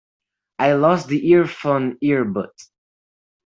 I lost the earphone earbuds.